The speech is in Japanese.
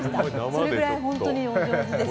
それぐらい本当にお上手ですし。